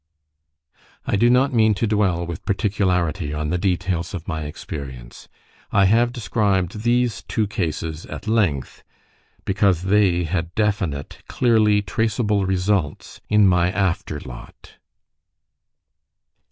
I do not mean to dwell with particularity on the details of my experience. I have described these two cases at length, because they had definite, clearly traceable results in my after lot.